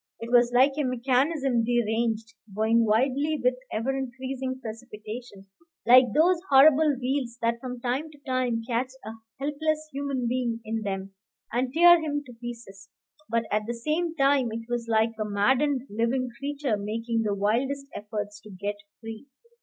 It was like a mechanism deranged, going wildly with ever increasing precipitation, like those horrible wheels that from time to time catch a helpless human being in them and tear him to pieces; but at the same time it was like a maddened living creature making the wildest efforts to get free.